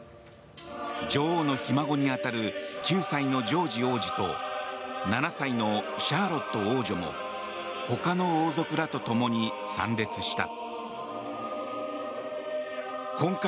女王のひ孫に当たる９歳のジョージ王子と７歳のシャーロット王女もほかの王族らとともに参列した。